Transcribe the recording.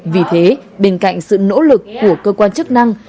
vì thế bên cạnh sự nỗ lực của cơ quan chức năng